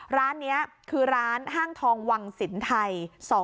ร้านนี้คือร้านห้างทองวังสินไทย